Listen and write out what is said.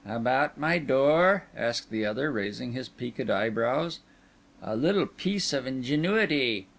"About my door?" asked the other, raising his peaked eyebrows. "A little piece of ingenuity."